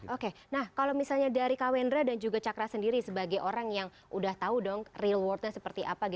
oke nah kalau misalnya dari kak wendra dan juga cakra sendiri sebagai orang yang udah tahu dong real worldnya seperti apa